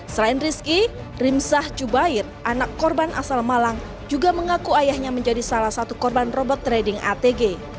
selain rizky rimsah jubair anak korban asal malang juga mengaku ayahnya menjadi salah satu korban robot trading atg